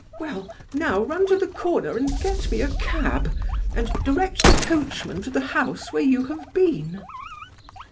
"Well, now run to the corner and get me a cab, and direct the coachman to the house where you have been."